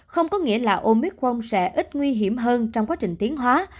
không có nghĩa là omicron sẽ ít nguy hiểm hơn trong quá trình tiến hóa